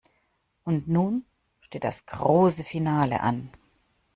Und nun steht das große Finale an.